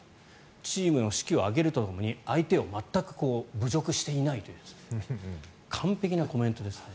チームの指揮を挙げるとともに相手を全く侮辱していないという完璧なコメントですね。